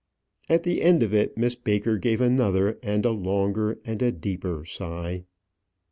At the end of it, Miss Baker gave another, and a longer, and a deeper sigh.